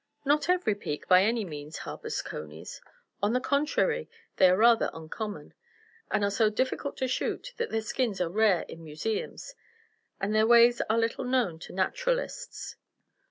Not every peak, by any means, harbors conies; on the contrary, they are rather uncommon, and are so difficult to shoot that their skins are rare in museums, and their ways are little known to naturalists.